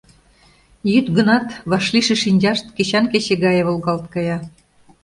Йӱд гынат, вашлийше шинчашт кечан кече гае волгалт кая.